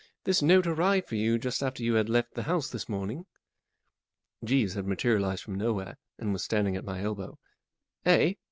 This note arrived for you just after you had left the house this morning." Jeeves had materialized from nowhere, and was standing at my elbow. 44 Eh